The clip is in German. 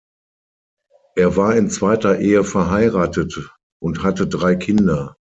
Er war in zweiter Ehe verheiratet und hatte drei Kinder.